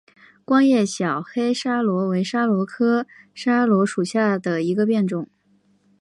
光叶小黑桫椤为桫椤科桫椤属下的一个变种。